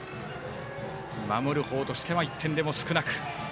守る方としては、１点でも少なく。